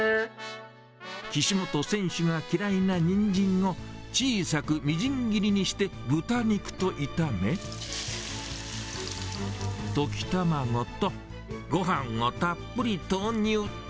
岸本選手が嫌いなニンジンも小さくみじん切りにして豚肉と炒め、溶き卵とごはんをたっぷり投入。